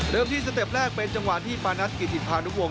เริ่มที่สเต็ปแรกเป็นจังหวะที่ประนัดกิจถิดพังทุกวง